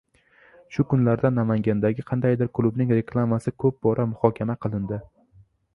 Shu kunlarda Namangandagi qandaydir klubning reklamasi koʻp bora muhokama qilindi.